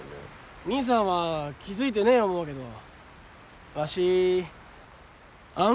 兄さんは気付いてねえ思うけどわしあん